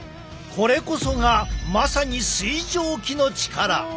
これこそがまさに水蒸気の力。